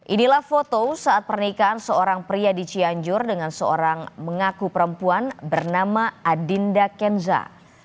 inilah foto saat pernikahan seorang pria di cianjur dengan seorang mengaku perempuan bernama adinda kenza